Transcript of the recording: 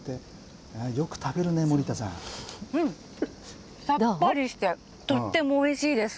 うん、さっぱりしてとってもおいしいです。